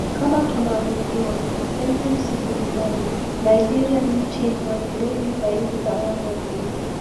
kama tunavyojua mpenzi msikilizaji nigeria ni nchi yenye watu wengi zaidi barani afrika